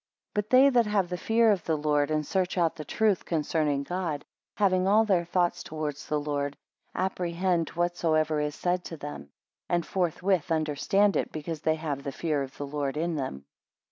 13 But they that have the fear of the Lord, and search out the truth concerning God, having all their thoughts towards the Lord; apprehend whatsoever is said to them, and forthwith understand it, because they have the fear of the Lord in them.